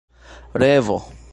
revo